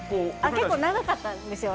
結構長かったんですよ。